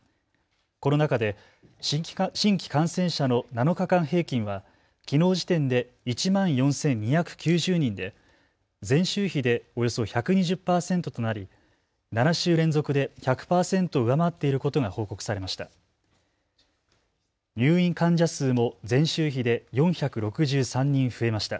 この中で新規感染者の７日間平均はきのう時点で１万４２９０人で前週比でおよそ１２０％となり７週連続で１００％を上回っていることが報告されました。